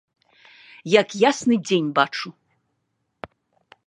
Як ясны дзень бачу.